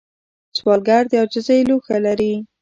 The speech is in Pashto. سوالګر د عاجزۍ لوښه لري